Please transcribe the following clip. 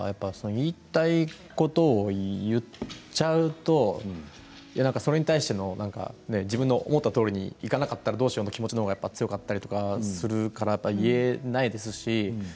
言いたいことを言っちゃうとそれに対しての自分の思ったとおりにいかなかったらどうしようという気持ちのほうが強かったりするから言えないですし